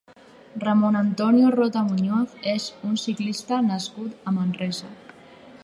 Ramon Antonio Rota Muñoz és un ciclista nascut a Manresa.